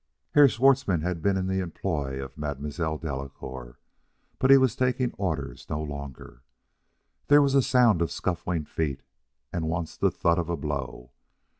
Herr Schwartzmann had been in the employ of Mademoiselle Delacouer, but he was taking orders no longer. There was a sound of scuffling feet, and once the thud of a blow....